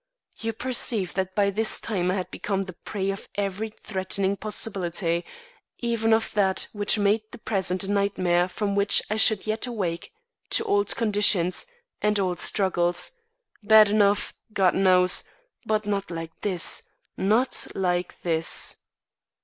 You perceive that by this time I had become the prey of every threatening possibility; even of that which made the present a nightmare from which I should yet wake to old conditions and old struggles, bad enough, God knows, but not like this not like this.